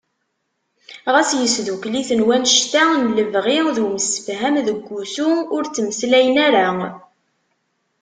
Ɣas yesdukel-iten wanect-a n lebɣi d umsefham deg wussu, ur ttmeslayen ara.